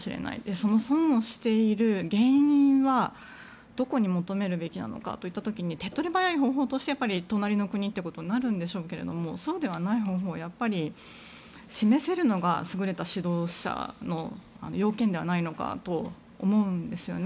その損をしている原因は、どこに求めるべきなのかという時手っ取り早い方法として隣の国ということになるんでしょうけどそうではない方法をやっぱり、示せるのが優れた指導者の条件ではないかと思います。